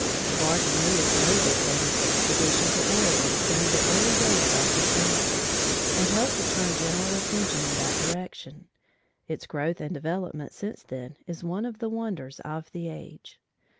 Clarke and Lewis made their famous expedition to Oregon during the early days of the century, and helped to turn general attention in that direction. Its growth and development since then is one of the wonders of the age.